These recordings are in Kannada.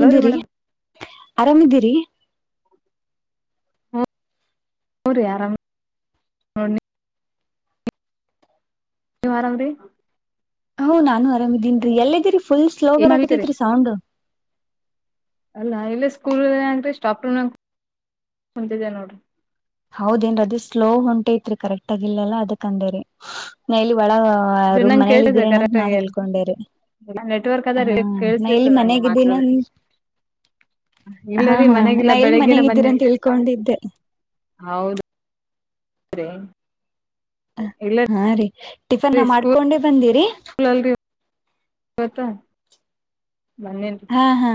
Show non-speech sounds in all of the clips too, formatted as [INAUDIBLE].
ಹಲೋ ರೀ ಆರಾಮ್ದೀರಿ ಮೇಡಮ್ ಆರಾಮ್ದೀರಿ ಹ ರು ಆರಾಮ ತವಾರಾಮ ರೀ ಹ್ ನಾನು ಆರಾಮಿದೀನ್ೀ ಎಲ್ಲಿದ್ದಿರಿ ಫುಲ್ ಸ್ಲೋ ಏನ್ ಮಾಡ್ತೀರಿ ಬರಕತೇತ್ರಿ ಸೌಂಡ್ ಇಲ್ಲ ಇಲ್ಲ ಸ್ಕೂಲ್ಂಗಿ ಸ್ಟಾಪೂ ಕುಂತಿದ್ದ ನೋಡ್ರಿ ಹೌದೇಏನ್ ಅದ ಸ್ಲೋ ಹೊಂಟೆೈಐತ್ರಿ ಕರೆಕ್ಟ್ ಆಗಿಲ್ಲಲ್ಲ ಅದಕ್ ಅಂದೇರಿ ಅದ್ ಬಾಳರು್ ನಂಗ್ ಮನೇಲಿ ಕೇಳ್ಸಿದ್ದೆ ಇದ್ರೇನಂತ ಕರೆಕ್ಟ್ ನಾ ಆಗಿ ಹೇಳ್ಕೊಂಡೇ್ರ ನೆಟ್ವರ್ಕ್ ಅದ ರೀ ಹಾ ನ ಕೇಳಿಸ್ಲಿತ್ತು ಇಲ್ಲಿ ಮನಾಗಿದ್ದೀನ ಇಲ್ಲರಿೀ ಮನೆಗಿಲ್ಲ ನಾ ಎಲ್ಲಿ ಬೆಳಿಗ್ಗಗೆನ ಮನೆಗಿದ್ದೀರ ಬನ್ನಿ ಅಂತ ತಿಳ್ಕೊಂಡಿದ್ದೆ ಹೌದು ಹಾ ರೀ ಟಿಫನ್ ರೀ ಮಾಡ್ಕೊಂಡೇ ಬಂದಿರಿ ಪತ್ತ ಹಾ ಹಾ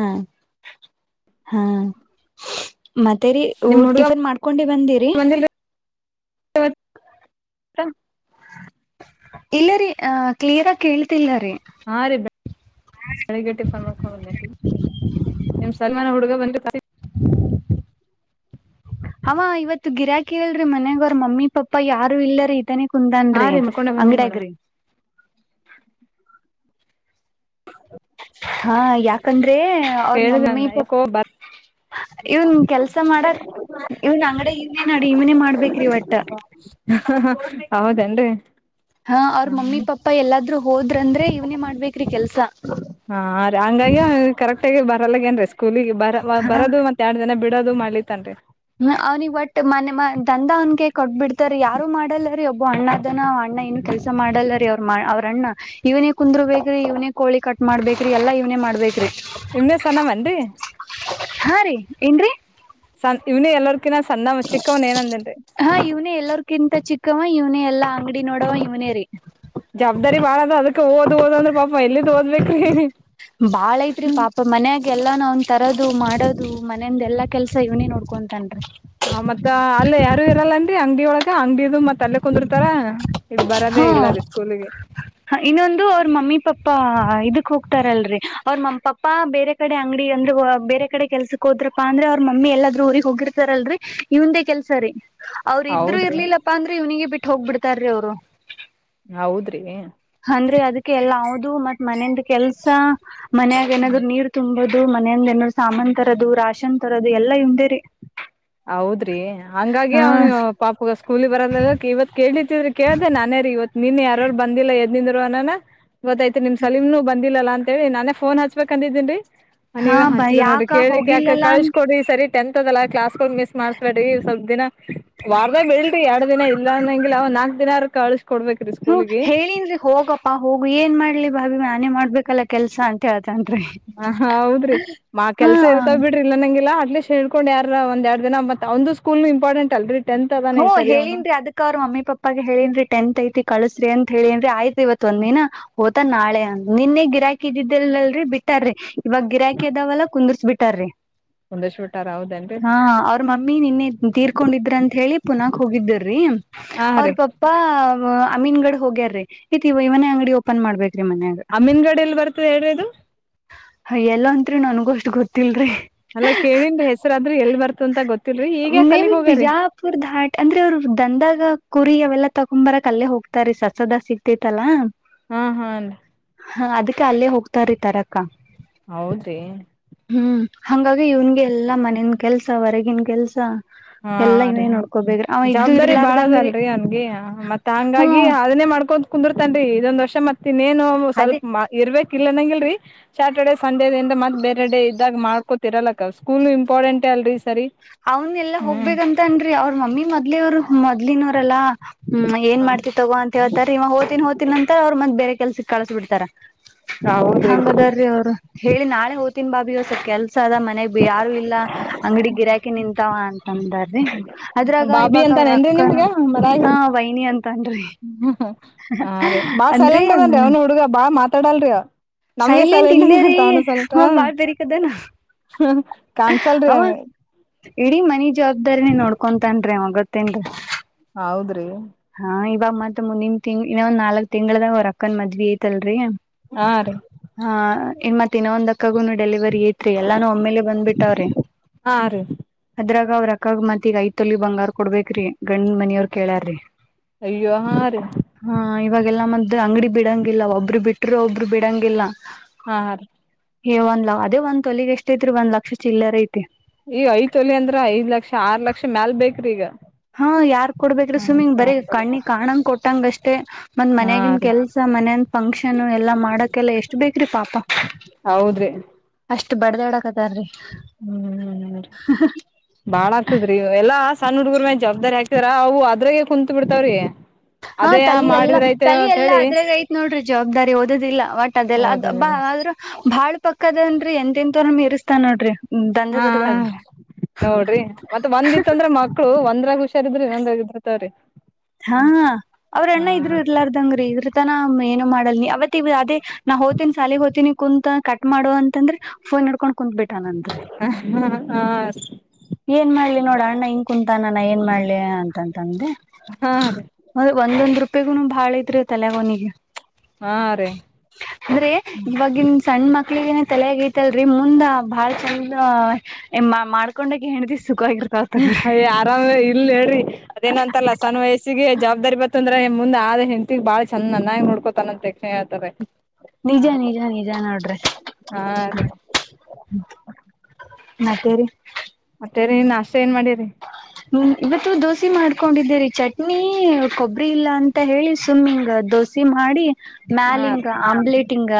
ಹಾ ಮತ್ತೇರಿ ಟಿಫನ್ ಮಾಡ್ಕೊಂಡಿ ಬಂದಿರಿ ಸ ಇಲ್ಲರಿ ಅ ಕ್ಲಿಯರ್ ಆಗ ಕೇಳ್ತಿಲ್ಲರಿೀ ಹಾ ರೀ ಬೆ ಬೆಳಿಗ್ಗೆ ಟಿಫನ್ ನೋಡ್ಕೊಂಡನ್ನ [UNINTELLIGIBLE] ನಿಮ್ ಸಲ್ಮಾನ ಹುಡ್ಗ ಬಂದ್ರ ಹ ಅವ ಇವತ್ತು ಗಿರಾಕಿ ಹೇಳಲ್ರಿ ಮನ್ಗ ಅವ್ರ ಮಮ್ಮಿ ಪಾಪ ಯಾರು ಇಲ್ರ ಇದನ ಹಾ ಕುಂದನ್ರಿ ರೀ ಮಾಡ್ಕೊಂಡೆ ಬಂದೇನ್ ಮೇಡಮ್ ಅಂಗಡಿಯಗ್ರಿ ಹಾ ಯಾಕಂದ್ರೆ ಅವ್ರ ಕೇಳ್ದೆ ಮಮ್ಮಿ ಅದ್ನ ಪಪ್ಪ ಯಾಕೋ ಬ ಇವನ್ ಕೆಲ್ಸ ಮಾಡಕ್ ಇವನ್ ಅಂಗಡ ಇವ್ನೇ ನಡಿ ಇವನೇ ಮಾಡ್ಬೇಕ್ರಿ ಒಟ್ಟ ಹೌದೇನ್ರಿ ಹಾ ಅವ್ರ ಹ್ಮ್ ಮಮ್ಮಿ ಪಾಪಾ ಎಲ್ಲಾದರುೂ ಹೋದ್ರಂದ್ರೆ ಇವ್ನೇ ಮಾಡ್ಬೇಕೇರಿ ಕೆಲ್ಸ ಹಾ ಹಂಗಾಗಿ ಕರೆಕ್ಟ ಆಗಿ ಬರಲ್ಲೇನ್ ಸ್ಕೂಲ ಬರ ಬರೋದು ಮತ್ತತ್ ಎರಡ್ ಜನ ಬಿಡೋದು ಮಾಡಲಿ ತನ್ರಿ ಹ್ಮ ಅವ್ನಿ ಬಟ್ ಮನೆ ಮ ದಂದ ಅವನ್ಗೆ ಕೊಟ್ಬಿಡ್ತಾರ ಯಾರು ಮಾಡಲ್ಲರಿ ಒಬ್ಬ ಅಣ್ಣದನಣ ಣ್ಣ ಇಏನ್ ಕೆಲಸ ಮಾಡಲ್ಲರಿ ಅವ್ರ ಅವ್ರ ಅಣ್ಣ ಇವ್ನೇ ಕುಂದ್ರು ಬೇಕ್ರಿ ಇವನೇ ಕೋಳಿ ಕಟ್ ಮಾಡ್ಬೇಕ್ರಿ ಎಲ್ಲಾ ಇವ ಮಾಡ್ಬೇಕ್ರೀ ನಿಮ್ದೆ ಸನ ಮಂದಿ ಹಾ ರೀ ಏನ್ರಿ ಸ ಇವ್ನ ಎಲ್ಲಾರ್ ಹಾ ಇವ್ನೇ ಎಲ್ಲರ್ಕಿಂತ ಚಿಕ್ಕವ ಇವ್ನೇ ಎಲ್ಲಾ ಅಂಗಡಿ ನೋಡವ ಇವ್ನೇ ರೀ ಜವಾಬ್ದಾರಿ ಬಾಳ ಅದ ಅದಕ್ ಓದ್ ಓದ್ ಅಂದ್ರ ಪಾಪ ಎಲ್ಲಿದ್ ಓದ್ಬೇಕ್ರಿ ಪಾಳೈಐತ್ರಿ ಪಾಪ ಮನೆ ಎಲ್ಲ ನಾವನ್ ತರೋದು ಮಾಡೋದು ಮನೆಯಂದ ಎಲ್ಲಾ ಕೆಲ್ಸ ಇವನಿ ನೋಡ್ಕೊಂತನ್ ಹ ಮತ್ತತ್ ಅಲ್ಲ ಯಾರು ಇರಲ್ಲನ್ರಿ ಅಂಗಡಿಯ ಒಳಗ ಅಂಗಡಿದು ಮತ್ತ ತಲೆ ಕುಂದಿರ್ತಾರ ಇದು ಬರದೇ ಹಾ ಇಲ್ಲ ರೀ ಸ್ಕೂಲ್ಗೆ ಇನ್ನೊಂದು ಅವ್ರ ಮಮ್ಮಿ ಪಾಪಾ ಇದಕ್ ಹೋಗ್ತಾರಲ್ರಿ ಅವ್ರ ಮಮ್ಮ ಪಪ್ಪಾ ಬೇರೆ ಕಡೆ ಅಂಗಡಿ ಅಂದ್ರೆ ಬೇರೆ ಕಡೆ ಕೆಲ್ಸಕ್ ಹೋದ್ರಪ್ಪ ಅಂದ್ರ ಅವ್ರ ಮಮ್ಮಿ ಎಲ್ಲಾದ್ರೂ ಊರಿಗೆಗ್ ಹೋಗಿರ್ತಾರೆ ಲ್ರರಿ ಇವನೇ ಕೆಲ್ಸ ರೀ ಅವ್ರ ಇದ್ರು ಹೌದ್ರಿ ಇರ್ಲಿಲ್ಲಪ್ಪಾ ಅಂದ್ರೆ ಇವನಿಗೆ ಬಿಟ್ಟು ಹೋಗ್ಬಿಡ್ತಾರ್ರೀ ಅವ್ರು ಹೌದ್ರಿ ಅಂದ್ರೆ ಅದಕ್ಕೆ ಎಲ್ಲ ಹದು ಮತ್ತ್ ಮನೆಯಿಂದ ಕೆಲ್ಸ ಮನೆಯಾಗ ಏನಾದ್ ನೀರ್ ತುಂಬೋದು ಮನೆಯಂದ ಏನಾದ್ರು ಸಾಮಾನ್ ತರೋದು ರಾನ್ ತರೋದು ಎಲ್ಲಾ ಇಮ್ದೇ ರರಿ ಹೌದ್ರಿ ಹಂಗಾಗಿ ಅವ್ನಿಗೆ ಪಾಪ ಸ್ಕೂಲ್ ಬರಲ್ಲಲ್ಲಕ ಇವತ್ ಕೇಳಿತಿದ್ರ ಕೇಳ್ದೆ ನಾನಾರ ಇವತ್ ನೀನ್ ಯಾರರು ಬಂದಿಲ್ಲ ಎದನಿಂದ್ರು ಅನನ ಗೊತ್ತಾಯ್ತ್ ನಿಮ್ ಸಲಮನು ಬಂದಿಲ್ಲಲ್ಲ ಅಂತ ಹೇಳಿ ನಾನೇ ಫೋನ್ ಹಚ್ಬೇಕ ಅಂದಿದ್ದೀನ್ರಿ ಹಾ ನೀವೇ ಬ ಹಚ್ಚಿದ ನೋಡಿ ಯಾಕ ಕೇಳಿ ಯಾಕ ಹೋಗಿಲ್ಲಲ್ಲ ಅಂತ ಕಳ್ಸಕೊಡಿ ಸರಿ ಟೆಂತ್ ಅದಲ್ಲಾ ಕ್ಲಾಸ್ ಮಿಸ್ ಮಾಡ್ಸ್ಬೇಡ್ರಿ ಸ್ವಲ್ಪ ದಿನ ವಾರದಾಗ ಬಿಲ್ ಎರಡ್ ದಿನ ಇಲ್ಲ ಅಂದಂಗಿಲ್ಲ ಅವ್ ನಾಲ್ಕಕ್ ದಿನ ಕಳು ಹ್ಮ ಹೇಳನ್ರಿ ಹೋಗಪ್ಪಾ ಹೋಗು ಏನ್ ಮಾಡ್ಲಿ ಬಾವಬಿ ನಾನೇ ಮಾಡ್ಬೇಕಲ್ಲ ಕೆಲ್ಸಾ ಅಂತ ಹೇ ಹ ಹ ಹೌದ್ರಿ ಮಾ ಹಾ ಕೆಲ್ಸ ಇರ್ತಾವ್ ಬಿಡ್ರಿ ಇಲ್ಲ ನಂಂಗಗೆಲ್ಲಾ ಅಟ್ಲೀಸ್ ಹೇಳ್ಕೊಂಡ್ ಯಾರ ಒಂದ ಎರಡು ದಿನ ಮತ್ತ ಒಂದು ಸ್ಕೂಲ್ ಇಂಪಾರ್ಟೆಂಟ್ ಅಲ್ರರಿ ಹ್ಮ ಹೇಳನ್ರಿ ಅದಕ್ ಅವ್ರ ಮಮ್ಮಿ ಪಪ್ಪಾಗ ಹೇಳಿನ್ ರಿ ಟೆಂತ್ ಐತಿ ಕಳಸ್ರಿ ಅಂತ ಹೇಳಿನ್ರಿ ಆಯ್ತ ಇವತ್ ಒಂದ ದಿನ ಹಓತಾ ನಾಳೆ ಅ ನಿನ್ನೆ ಗಿರಾಕಿ ಇದಿದ್ದಿಲ್ಲ್ರರಿ ಬಿಟ್ಟಾರಿ ಇವಾಗ ಗಿರಾಕಿ ಅ ಇದಾವಲ್ಲಾ ಕುುದರ್ಸ್ಬ ಬಿಟಾರ್ರೀ ಒಂದಷ್ಟು ಊಟಾರ ಹೌದೇನ್ರಿ ಮ್ಮಿ ನಿನ್ನೆ ತೀರ್ಕೊಂಡಿದ್ರ ಅಂತ ಹೇಳಿ ಪುನಕ್ ಹೋಗಿದ್ದರ್ರಿ ಹಾ ಅವ್ರ ರೀ ಪಾಪಾ ಅಮೀನ್ ಗಡ್ ಹೋಗ್ಯಾರೀ ಇತಿ ಇವ ಇವನ ಅಂಗಡಿ ಓಪನ್ ಮಾಡ್ಬೇಕು ಅಮೀನ್ಗಡಲ್ಲಿ ಬರ್ತದೆ ಎ್ರದು ಹಯ ಎಲ್ಲ ಅಂತ್ರಿ ನನ್ಗೂ ಅಷ್ಟ ಗೊತ್ತಿಲ್ರಿ ಅಲ್ಲಾ ಕೇಳಿದ್ರ ಹೆಸರಾದ್ರರು ಎಲ್ ಬರ್ತ ಅಂತ ಗೊತ್ತ ಮೇ ಬಿ ಬಿಜಾಪುರ್ ಧಾಟ್ ಅಂದ್ರೆ ಅವರು ದಂದಾಗ ಕುರಿಯ ಅವೆಲ್ಲಾ ತಗೊ್ಂಬರ ಕಲ್ಲೇ ಹೋಗ್ತಾರಿ ಸಸದ ಸಿಗ್ತತಲ್ಲಾ ಹಾ ಹಾ ಅನ್ ಹಾ ಅದಕ್ಕೆ ಅಲ್ಲೇ ಹೋಗ್ತಾರ ತಾರಕ್ಕ ಹೌದ ರಿ ಹಂಗಾಗಿ ಇವನ್ಗೆ ಎಲ್ಲಾ ಮನನ್ ಕೆಲ್ಸ ಹೊರಗನ್ ಕೆಲ್ಸ ಹಾ ಎಲ್ಲಾ ರೀ ಇವೇ ನೋಡ್ಕೋಬೇಕು ಜವಾಬ್ದಾರಿ ಬಾಳ ಅದಲ್ರರಿ ಅವನ್ಗೆ ಮತ್ತತ್ ಹಂಗಾಗಿ ಹ್ಮ್ ಅದನ್ನೇ ಮಾಡ್ಕೊ ಕುಂದರ್ತನ್ೀ ಇದೊಂದಷ್ಟ ಷ ಮತ್ತ ಇನ್ನೇನು ಅದೇ ಸ್ವಲ್ಪ ಇರ್ಬೇಕ ಇಲ್ಲ ನಂಗಗೆಲ್ರರಿ ಸ್ಯಾಟರ್ಡೆೇ ಸಂಡೇದಿಂದ ಮತ್ತ ಬೇರೆಡೆ ಇದ್ದಾಗ್ ಮಾಡ್ಕೋತಿರಲ್ಲಕ ಸ್ಕೂಲ್ ಇಂಪಾರ್ಟೆಂಟ್ ಅಲ್ರರಿ ಸರಿ ಅವನ್ ಎಲ್ಲಾ ಹ್ಮ್ ಹೋಗ್ಬೇಕಂತ ರಿ ಅವ್ರ ಮಮ್ಮಿ ಮೊದ್ಲ ಅವರು ಮೊದ್ಲಿನವರೆಲ್ಲಾ ಹ್ಮ ಏನ್ ಮಾಡ್ತಿತ್ತ ೋಗ ಅಂತ ಹೇತಾರೆ ಇವ ಹೋತಿನಿ ಹೋತಿನ ನಂತರ್ ಅವರು ಮತ್ತೆ ಬೇ ಕೆಲ್ಸ ಕಳಸ ಬಿಡ್ತಾರ ಹೌದ್ರಿ ಹಂಗದರೀ ಅವ್ರು ಹೇಳಿ ನಾಳೆ ಹೋ್ತೀನ್ ಬಾಬಿಸ ಕೆಲ್ಸ ಸದ ಮನೆಗ್ ಯಾರು ಇಲ್ಲ ಅಂಗಡಿ ಗಿರಾಕಿ ನಿಂತಾವ ಅಂತ ಚಂದಾರಿ ಅದ್ರಾಗ ಬಾಬಿ ಇವಾಗ ಅವ್ರ ಅಂತಾನೇನ್ರಿ ಅಕ್ಕನ ನಿಮ್ಗ ಹಾ ವೈನಿ ಅಂತನ್ರಿ ಹ್ಮ್ ಹ್ಮ ಹಾ ರೀ ಬಾಳ್ ಅಂದ್ರೆ ಸೈಲೆಂಟ್ ಅದೇನ್ರಿ ಅವ್ನ ಹುಡುಗ ಬಾಳ ಮಾತಾಡಲ್ರಿ ನಮಗೆೇ ಸರ್ ಸೈಲೆಂಟ್ ನಿ್ಣ ಇಲ್ಲೇರಿ ತಾನು ಸಲ್ಟಾ ಅವ ಬಾಳ್ ಬೆರಿಕದನ ಹ್ಮ ಕಾಣಸಲ್ರಿಿ ಅವ ಹೆಂಗ ಇಡೀ ಮನಿ ಜವಾಬ್ದಾರಿನೇ ನೋಡ್ಕೊಂತನ್ರಿ ಗೊತ್ತ್ತೇನ್ರ ಹೌದ್ರಿ ಮತ್ ಮುಂದಿನ ತಿಂಗ್ ಇನ್ನೊ ಒ್ ನಾಲ್ಕ್ ತಿಂಗಂಗಳದಾಗ್ರ್ ಅಕ್ಕನ್ ಮದ್ವಿ ಐತಲ್ರರಿ ಹಾ ರೀ ಹಾ ಇನ್ ಮತ್ತ ಇನ್ನ ಒಂದಕ್ಕಗುನು ಡೆಲಿವರಿ ಐತ್ರಿ ಎಲ್ಲಾನು ಒಮ್ಮೇಲೆ ಬಂದ್ಬಿಟ್ಟಾವ್ರಿ ಹಾ ರೀ ಅದ್ರ ಅವ್ರ ಅಕ್ಕಾಗ ಮತ್ ಈಗ ಐದ ತಲಿ ಬಂಗಾರ ಕೊಡ್ಬೇಕ್ರೀ ಗಂಡ್ನ್ನ ಮನಿಯವ್ರು ಕೇಳ್ಯಾರ್ರಿ ಅಯ್ಯೋ ಹಾ ರಿ ಇವಾಗೆಲ್ಲ ಮದ್ದ್ ಅಂಗಡಿ ಬಿಡಂಗಿಲ್ಲ ಒಬ್ರು ಬಿಟ್ಟರು ಒಬ್ರು ಬಿಡಂಗಿಲ್ಲ ಹಾ ಹ ರೀ ಏ್ ಒಂದ್ ಅದ ಒಂದ್ ತಲಗ್ ಎಷ್ಟ ಐತ್ರಿ ಒಂದ್ ಲಕ್ಷ ಚಿಲ್ಲರ ಐ ಈಗ ಐದು ಅಂದ್ರ ಐದ್ ಲಕ್ಷ ಆರ್ ಲಕ್ಷ ಮ್ಯಾಲ ಬೇಕ್ರಿ ಈಗ ಹಾ ಯಾರ್ ಕೊಡ್ಬೇಕ್ರಿ ಸ್ವಿಮ್ಮಿಂಗ್ ಬರೀ ಕಣ್ಣಿ ಕಾಣಂಗ ಕೊಟ್ಟಂಗ ಅಷ್ಟೇ ಮಂದ್ ಹಾ ಮನ್ಗನ್ ರೀ ಕೆಲ್ಸ ಮನಂದ ಫಂಕ್ಷನ್ ಎಲ್ಲ ಮಾಡಕೆಲ್ಲ ಎಷ್ಟು ಬೇಕ್ರಿ ಪಾಪ ಹೌದ್ರಿ ಇಷ್ಟ ಬಡ್ದ್ಯಾಡಕತಾರ ರೀ ಹ್ಮ್ ಬಾಳ ಆಗ್ತದ್ರಿ ಎಲ್ಲಾ ಸಣ್ಣಡ್ಗ ಜವಾಬ್ದಾರಿ ಹಾಕ್ತಾರ ಅವು ಅದ್ರಾಗೆ ಕುಂತತ್ ಬಿಡ್ತಾವ್ರೀ ಹಾ ತಲಿ ಎಲ್ಲಾ ತಲಿ ಎಲ್ಲಾ ಅದ್ರಾಗ ಐತ್ ನೋಡ್ರಿ ಜವಾಬ್ದಾರಿ ಓದದಿಲ್ಲ ಒಟ್ ಅದೆಲ್ಲ ಅದಬ್ಬ ಓದದಲ್ಲ ಆದ್ರ್ ಬಾಳ್ ಪಕ್ಕದನ್ರಿ ಎಂ ಎನ್ ತೋರ ಮೀರಿಸಸ್ತಾ ನೋಡ್ರಿ ಹಾ ದಂಧದರ್ದಾಗ ನೋಡ್ರಿ ಮತ್ತೆ ಒಂದಿತ್ತಂದ್ರ ಮಕ್ಳು ಒಂದ್ರಾಗ ಹುಷ ಸ ಇದ್ರಿ ನಂದಾಗ ಇದ್ರ ತಾವ್ರರಿ ಹಾ ಅವ್ರಣ್ಣ ಇದ್ರು ಇರ್ಲಾರ್ದಂಗ್ರೀ ಇದ್ರ ತನ ಏನು ಮಾಡಲ್ ನೀ ಯಾವತ್ ಇ ಅದೇ ನಾ ಹೋ್ತಿನಿ ಸಾಲಗ್ ಹೋತೀನಿ ಕುಂತತ್ ಕಟ್ ಮಾಡೋುವ ಅಂತಂದ್ರೆ ಫೋನ್ ನಡ್ಕೊಂಡ ಹ ಏನ್ ಮಾಡ್ಲಿ ನೋಡ ಅಣ್ಣ ಹನ್ ಕುಂತಾನಾನ ಏನ್ ಮಾಡ್ಲಿ ಅಂತಂತಂದೆ ಹಾ ರೀ ಒೊಂದು ರೂಪಾಯಿ ಗು ಬಾಳ ಇದ್ರೆ ತಲೆಯಗನಿಗೆ ಹಾ ರೀ ಅಂದ್ರೆ ಇವಾಗಿನ್ ಸಣ್ಣ ಮಕ್ಳಿಗಏನ ತಲೆ ಆಗೈತಿ ಲ್ರರಿ ಮುಂದ ಬಾಳ ಚಂದ ಮಾಡ್ಕೊಂಡಾಗ ಹೆಣದಿಸ ಅಯ ಆರಾಮ ಇಲ್ ಹೇಳಿ ಅದೇನ ಅಂತಲ್ಲ ಸಣ್ಣ ವಯಸ್ಸಿಗೆ ಜವಾಬ್ದಾರಿ ಬತ್ತ ಂದ್ರ ಮುಂದ ಆದ ಹೆಂತಿಗ್ ಬಾಳ ಚಂದ ಚ ನನ್ನಾಗಿ ನೋಕೋತಾನಂತೆ ನಿಜ ನಿಜ ನಿಜ ನೋಡ್ರಿ ಹಾ ರೀ ಮತ್ತೇರಿ ತರಿ ನಾ ಹ್ಮ ಇವತ್ತು ದೋಸೆ ಮಾಡ್ಕೊಂಡಿದ್ದೀರಿ ಚಟ್ ನೀ ಕೊಬ್ಬರಿ ಇಲ್ಲ ಅಂತ ಹೇಳಿ ಸುಮ್ಮಿಂಗ ದೋಸೆ ಮಾಡಿ ಮ್ಯಾಲ ಹಾ ಹಂಗ ಆಮ್ಲೆಟ್ಗ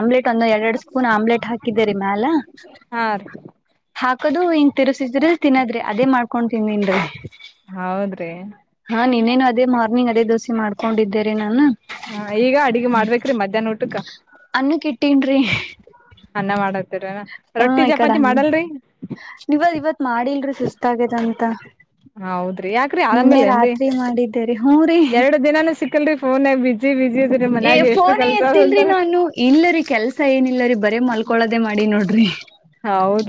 ಆಮ್ಲೆಟ್ ಒಂದ ಎರಡ್ರಡ್ ಸ್ಪೂನ್ ಆಮ್ಲೆಟ್ ಹಾಕಿದರಿ ಮ್ಯಾಲ ಹಾ ರ ಹಾಕದು ತಿಸಿದ್ರ ತಿನ್ನದ್ರಿ ಅದೇ ಮಾಡ್ಕೊಂಡತನ್ನ್ೀ ಹೌದ್ರಿ ಹಾ ನೀನ್ನ್ ಅದೇ ಮಾರ್ನಿಂಗ್ ಅದೇ ದೋಸೆ ಮಾಡ್ಕೊಂಡಿದ್ದೇರಿ ನಾನು ಹಾ ಈಗ ಅಡ್ಗ ಮಾಡ್ಬೇಕ್ರಿ ಮಧ್ಯಾಹ್ನ ಊಟಕ್ಕ ತಿನ್ ಅನ್ನ ಮಾಡದು ಹಾ ಈ ಕಡೆ ಹಂಗೆ ನೀವದ್ ಇವತ್ ಮಾಡಿಲ್ರಿ ಸುಸ್ತ ಆಗ್ಯದ ಅಂತ ಹೌದ್ರಿ ಯಾಕ್ರಿ ಆರಾಮೇಲೆ ನ್ರಿ ಮಾಡಿದ್ದೇರಿ ಹೂ ರೀ ಎರಡು ದಿನಾನೂ ಸಿಕ್ಕಲ್ರಿ ಫೋನ್ ಬ ಏ ಫೋನ ಎತ್ತಿಲ್ರಿ ನಾನು ಇಲ್ಲರಿ ಕೆಲ್ಸ ಏನಿಲ್ಲರಿ ಬರೇ ಮಲ್ಕೊಳದೇ ಮಾಡಿ ನೋಡ್ರಿ ಹೌದು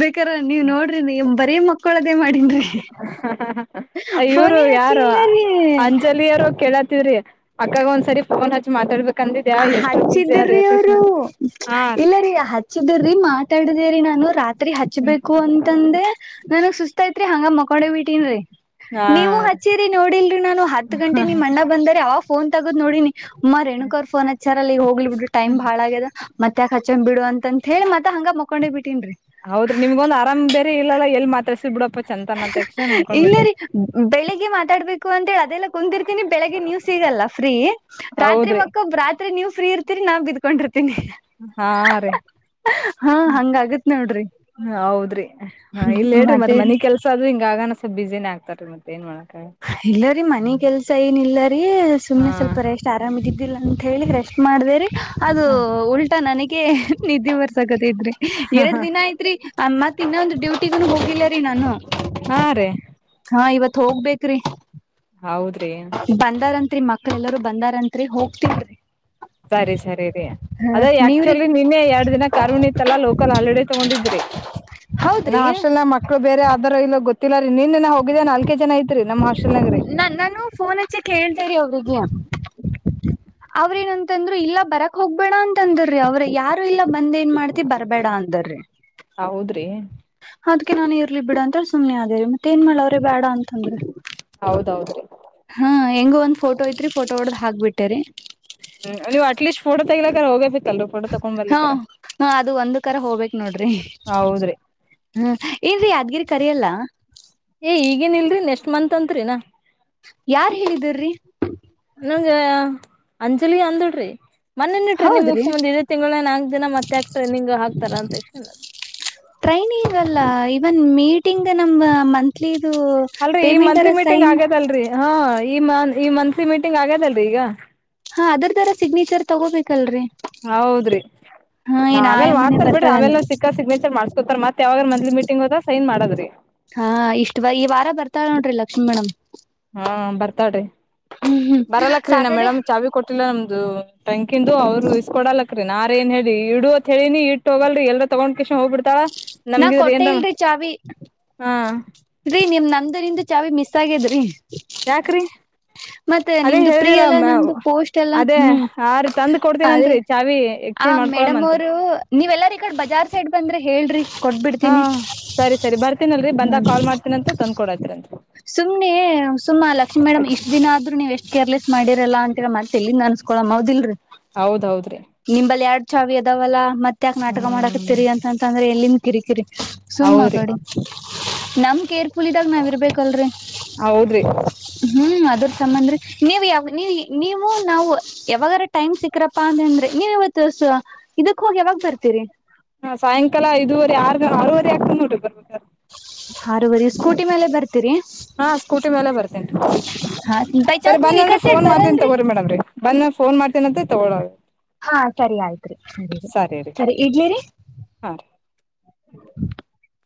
ಬೇಕಾರ ನೀವ್ ನೋಡ್ರಿ ನೀ ಕೊಳದೇ ಮಾಡನ್ ಇವ್ರು ಯಾರು ಅಂಜಲಿಯರು ಕೇಳತ್ ವ್ರೀ ಅಕ್ಕಗ ಒಂದ್ ಸರಿಫೋನ್ ಹಚ್ಚಿ ಮಾತಾಡ್ಬೇಕು ಹಚ್ಚಿದ್ರ್ರಿ ಅವರು ಹಾ ರೀ ಇಲ್ಲರೀ ಹಚ್ಚಿದ್ರ್ರಿ ಮಾತಾಡುದೇರರಿ ನಾನು ರಾತ್ರಿ ಹ್ಮ್ ಹಚ್ಬೇಕು ಅಂತಂದೆ ನನಗ್ ಸುಸ್ತಾ ತ್ರಿ ಹಂಗ ಮಕೋಡೆ ಬಿಟ್ಟನ್ರಿ ಹಾ ನೀವು ರೀ ಹಚ್ಚೇರಿ ನೋಡಿಲ್ರಿ ನಾನು ಹತ್ ಗಂಟೆ ನಿಮ್ ಅಣ್ಣ ಬಂದರೆ ಅವ ಫೋನ್ ತಗದ್ ನೋಡಿನಿ ಮಮ್ಮ ರೇಣುಕರ್ ಫೋನ್ ಹಚ್ಚಾರಲ್ಲಲ್ಲಿ ಹೋಗ್ಲಿ ಬಿಟ್ಟ ಟಮ್ ಹ್ಮ್ ಭಾಳ ಆ್ಯದ ಮತ್ತ್ಯಾಕ್ ಹಚಂದ್ ಬಿಡು ಅಂತ ಹೇಳಿತ್ತತ್ ಹಂಗ ಮಕೊಂಡಿ ಬಿಟ್ಟೇನ್ರಿ ಹೌದ್ರ ನಿಮ್ಗೊಂದು ಆರಾಮ್ ಬೇರೆ ಇಲ್ಲ ಎಲ್ ಮಾತ್ರಸ ಬಿಡಪ್ಪ ಚಂತನ ತಕ್ಷಣ ಅನ್ಕೊಂಡ್ ಇಲ್ಲ ಬಿಟ್ಟೆ ರೀ ಬೆಳಿಗ್ಗೆ ಮಾತಾಡ್ಬೇಕು ಅಂತ ಹೇಳಿದ ಅದೆಲ್ಲ ಕುಂದಿರ್ತೀನಿ ಬೆಳಗ್ ನೀವು ಸಿಗಲ್ಲ ಫ್ರೀ ರಾತ್ರಿ ಹೌದ್ರಿ ಮಕ್ಕ ರಾತ್ರಿ ನೀವು ಫ್ರೀ ಇರ್ ಸರಿ ನಾವ್ ಇದಕೊಂಡಿರ ಹಾ ರೇ ಹಾ ಹ್ಮ ಹಂಗ ಆಗತ್ ನೋಡ್ರಿ ಹ ಹೌದ್ರಿ ಹ ಇಲ್ಲ ಹೇಳಿ ಮತ್ತ ಮತ್ತೇರಿ ಮನ ಕೆಲ್ಸ ಅದು ಹಂಗನ ಸ್ಲ್ ಬಿಸಿನೇ ಆಗ್ತಾರೆ ಮತ್ತ ಏನ್ ಮಾಡ ಇಲ್ಲರಿ ಮನಿ ಕೆಲ್ಸ ಏನ ಇಿಲ್ಲರಿ ಸುಮ್ನೆ ಹಾ ಸ್ವಲ್ಪ ರೇಷ್ಟ್ ಆರಾಮ್ದಿ ಲ್ಲ ಅಂತ ಹೇಳಿ ರೆಸ್ಟ್ ಮಾಡ್ದೇರಿ ಅದು ಉಲ್ಟಾ ನನಗೆ ನಿದ್ದೆ ಬರ್ಸಕತ ಇದ್ರಿ ಎರಡ್ ದಿನ ಆಯತ್ರಿ ಮತ್ತ ಮತ್ತ ಇನ್ನೊಂದು ಡ್ಯೂಟಿಗೂ ಹೋಗಿಲ್ಲ ರೀ ನಾನು ಹಾ ರೀ ಹಾ ಇವತ್ ಹೋಗ್ಬೇಕು ಹೌದ್ರಿ ಬಂದಾರತ್ರಿ ಮಕ್ಳ ಎಲ್ಲರೂ ಬಂದಾರಂತ್ರಿ ಹೋಗ್ತನ್ ಸರಿ ಸರಿ ರರಿ ಅದೇ ನೀವ್ರಿ ಆಕ್ಚುಲಿ ನಿಮ್ಮೇ ಎರಡ್ ದಿನ ಕಾರ್ಮಣಿತ್ತಲ್ಲಾ ಲೋಕಲ್ ಹಾಲಿಡ ತಗೊಂಡಿದ್ರಿ ಇನ್ನು ಹೌದ್ರಿ ಅಷ್ಟೆಲ್ಲ ಮಕ್ಳು ಬೇರೆ ಆದಾರೂ ಇಲ್ಲ ಗೊತ್ತ ಇಲ್ಲ ರೀ ನೀನ್ನ ಹೋಗಿದ್ದ ನಾಲ್ಕೆ ಜನ ಐತ್ರಿ ನಮ್ಮ್ಷ್ಟ ನಾ ನಾನು ಫೋನ್ ಹಚ್ಚೆ ಕೇಳ್ತೇರಿ ಅವ್ರಿಗೆ ಅವ್ರೇನಂತಂದ್ರು ಇಲ್ಲ ಬರಕ್ ಹೋಗ್ಬೇಣ ಅಂತ ಅಂದ್ರಿ ಅವ್ರ ಯಾರು ಇಲ್ಲ ಬಂದ ಏನ್ ಮಾಡ್ತಿ ಬರ್ಬೇಡ ಅಂದರಿ ಹೌದ್ರಿ ಅದ್ಕ್ಕೆ ನಾನ್ ಇರ್ಲಿ ಬಿಡ ಅಂತ ಸುಮ್ಮನೆ ಆದೇರಿ ಮತ್ತೆ ಏನ್ ಮಾಡ್ ಅವ್ರೇ ಬೇಡ ಅಂತಂದ್ರೆ ಹೌದೌದ್ರಿ ಹಾ ಹೆಂಗ ಒಂದ್ ಫೋಟೋ ಐತ್ರಿ ಫೋಟೋ ಹೊಡ್ದ್ ಹಾಕ್ಬಿಟ್ಟೇರಿ ಗಲಾಕ ಹೋಗಫಿತ್ತಲ್ ಫೋ ತಕೊಂಡ್ ಹಾ ಬರ್ಲಿಕಾರ ಹಾ ಅದು ಒಂದ್ ಕರ ಹೋಗ್ಬೇಕ ನೋಡ್ರಿ ಹ್ಮ ಏನ್ಯಾದ್ಗಿರಿ ಕರಿಯಲ್ಲ ಏ ಈಗೇನ್ ಇಲ್ರೀ ನೆಕ್ಸ್ಟ್ ಮಂತ್ ಅತ್ರಿನಾ ಯಾರ್ ಹೇಳಿದರಿ ನಂಗೆ ಅಂಜಲಿ ಅಂದಡ್ರಿ ಮೊನಟ್ರೀನಿಂಗ್ ಹೌದ್ರಿ ಮುಗಸ್ಕೊಂಬಂದ ಇದೇ ತಿಂಗಳ ನ ದಿನ ಮತ್ತೆಕಕ್ ಟ್ರೈನಿಂಗ್ ಹಾಕ್ತಾರ ಅಂತ ಟ್ರೈನೀಗಲ್ಲ ಇವನ್ ಮೀಟಿಂಗ್ ನಮ ಮಂತ್ಲಿ ಇದು ಅಲ್ರರಿ ಈ ಮಂತ್ಲಿ ಪೇಮೆಂಟ್ರ ಮೀಟಿಂಗ್ ಸೈನ್ ಆಗ್ಯದಲ್ರರಿ ಹಾ ಈ ಮ ಈ ಮಂತ್ಲಿ ಮೀಟಿಂಗ್ ಆಗ್ಯದಲ್ರಿ ಈಗ ಹಾ ಅದ್ರ ತರ ಸಿಗ್ನೇಚರ್ ತಗೋಬೇಕಲ್ರರಿ ಹೌದ್ರಿ ಹಾ ನಾ ಏನ್ ಆಮೇಲ್ ಆಯಮ್ಮನೆ ಮಾಡ್ತಾರ ಬಿಡ್ರಿ ಬರ್ತಾಳಾನ ಆಮೇಲೆ ಸಿಕ್ಕಾ ಸಿಗ್ನೇಚರ್ ಮಾಡ್ಸ್ಕೊತಾರ ಮತ್ತ ಯಾವಾಗ ಮ್ ಮೀಟಂಗ ಹೋದ ಸೈನ್ ಮಾಡದ್ರರಿ ಹಾ ಇಷ್ಟ್ ಬ ಈ ವಾರ ಬರ್ತಾಳ ನೋಡ್ರಿ ಲಕ್ಷ್ಮೀ ಮೇಡಮ್ ಹಾ ಬರ್ತಾಡಿ ಹ್ಮ್ ಹ್ಮ್ ಬರಲ್ಲಕ್ರೀನಾ ಸಾಟರ್ಡೆ ಮೇಡಮ್ ಚಾವಿ ಕೊಟ್ಟಿಲ್ಲ ನಮ್ದು ಟಂಕಿಂದು ಅವ್ರುೂ ಇಸ್ಕ ಕೊಡಲಕ್ರೀ ನಾರ ಏನ್ ಹೇಳಿ ಇಡುತ್ ಹೇಳಿನಿ ಇಟ್ಟ ಹೋಗಲ್ರಿ ಎಲ್ರ ತಗೊಂಡ ಕಷ್ ಹ್ಬ ಬಿಡ್ತಾಳ ನಾ ಕೊಟ್ಟೆ ನಮ್ಗಿದ್ರ ಇಲ್ರಿ ಚಾವಿ ಹಾ ರೀ ನಿಮ್ ನಂದರಿಂದ ಚಾವಿ ಮಿಸ್ ಆಗೇದ್ರಿ ಯಾಕ್ರಿ ಅದೇ ನಿಮ್ದು ಪ್ರೀ ಎಲ್ಲಾ ಹೇಳುದಿಲ್ಲ ನಮ್ದು ಪೋಸ್ಟ್ ಎಲ್ಲಾ ಅದೇ ಹ್ಮ್ ಆ ರೀ ತಂದ ಅದೇ ಕೊಡ್ತೀನನ್ರಿ ಚಾವಿ ಆ ಎಕ್ಸ್ಚೇಂಜ್ ಮೇಡಮ್ ಮಾಡ್ಕೊಳಮಂತ್ ಅವರು ನೀವೆಲ್ಲಾರ ಈ ಕಡೆ ಬಜಾರ್ ಸೈಡ್ ಬಂದ್ರೆ ಹೇಳ್ರಿ ಹಾ ಕೊಟ್ಬಿಡ್ತೀನಿ ಸರಿ ಸರಿ ಬರ್ತೀನಲ್ರರಿ ಹ್ಮ್ ಬಂದಾಗ ಕಾಲ್ ಮಾಡ್ತೀನಂತ ತಂದ್ಕೊಡತ್ರಿಂತ ಸುಮ್ನೆ ಸುಮ್ಮ ಲಕ್ಷ್ಮೀ ಮೇಡಮ್ ಇಷ್ಟ್ ದಿನ ಆದ್ ನೀವ್ ಎಷ್ಟ ಕೇರ್ಲೆಸ್ ಮಾಡಿರಲ್ಲ ಅಂತ ಮತ್ತ ಎಲ್ಲಿ ನ ಅನ್ಸ್ಕೊ ಅದಿಲ್ರರಿ ಹೌದೌದು ಚಾವಿ ಅದಾವಲ್ಲಾ ಮತ್ತ ಯಾಕಕ್ ನಾಟಕ ಮಾಡಕ ಹ್ಮ್ ತಿರಿ ಅಂತಂದ್ರೆ ಎಲ್ಲಿಂದ ಕಿರಿಕಿರಿ ಸುಮ್ಮ ಹೌದ್ರಿ ಕಡೆ ನಮ್ಕೇರ್ [UNINTELLIGIBLE] ದಾಗ ನಾವ್ ಇರ್ಬೇಕಲ್ರರಿ ಹೌದ್ರಿ ಹ್ಮ್ ಅದ್ರ ತಮ್ಮಂದ್ರಿ ನೀವ ಯಾವ ನೀ ನೀವು ನಾವು ಯಾವಾಗಾರ ಟೈಮ್ ಸಿಕ್ಕರಪ್ಪಾ ಅಂತಂದ್ರೆ ನೀವ ಇವತ್ತು ಸ ಇದಕ್ ಹೋಗಿ ಯಾವಾಗ ಬರ್ತೀರಿ ಹಾ ಸಾಯಂಕಾಲ ದೂವರೆ ಆರ್ ಆರವರೆ ಆಗ್ತ್ ನೋಟ್ರಿ ಬರ್ಬೇಕ ಆರುವರೆ ಸ್ಕೂಟಿ ಮೇಲೆ ಬರ್ತ ಹಾ ಸ್ಕೂಟಿ ಮೇಲೆ ಬರ್ತೇನ್ ಹಾ ಬೈ ಸರಿ ಚಾನ್ಸ್ ನೀವ್ ಬಂದ ಈ ಅಂದ್ರೆ ಕಡೆ ಸೈಡ್ ಫೋನ್ ಮಾಡ್ತೀನಿ ಬರಲ್ರಿ ತಗೋರಿ ಮೇಡಮ್ರಿ ಬಂದ ಫೋನ್ ಮಾಡ್ತನಂತೆಂತ ತಗಳಾಗ ಹಾ ಸರಿ ಆಯ್ತ್ರಿ ಸರಿ ರೀ ಸರಿ ಇಡ್ಲಿರಿ [INAUDIBLE] ಹ [UNINTELLIGIBLE]